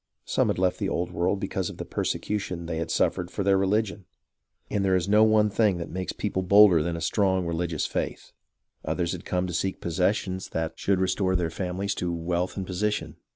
Some had left the Old World because of the persecution they had suffered for their religion ; and there THE PEOPLE IN AMERICA 5 is no one thing that makes people bolder than a strong religious faith. Others had come to seek possessions that should restore their families to wealth and position.